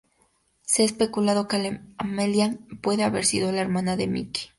Se ha especulado que Amelia puede haber sido la hermana de Mickey.